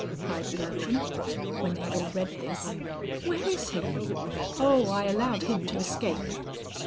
cried Bertram, when they had all read this. "Where is he?" "Oh, I allowed him to escape."